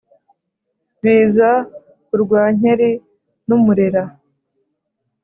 biza u rwankeri n’u mulera